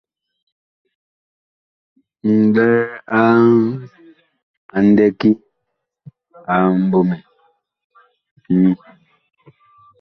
Nlɛɛ a ndɛki a MBƆMƐ nyu.